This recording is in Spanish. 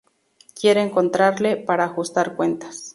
Quiere encontrarle para ajustar cuentas.